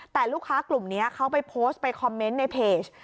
แต่ลูกค้ากลุ่มนี้เขาไปโพสต์ไปคอมเมนต์ในเพจ